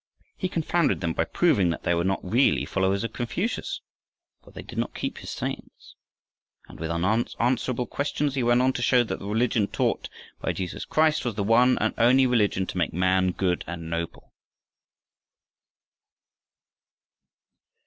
He confounded them by proving that they were not really followers of Confucius, for they did not keep his sayings. And with unanswerable arguments he went on to show that the religion taught by Jesus Christ was the one and only religion to make man good and noble.